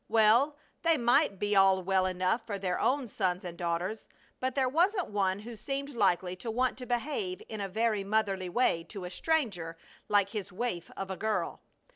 Well, they might be all well enough for their own sons and daughters, but there wasn't one who seemed likely to want to behave in a very motherly way to a stranger like his waif of a girl.